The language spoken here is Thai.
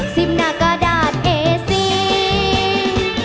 สิ้นหน้ากระดาษเอสิง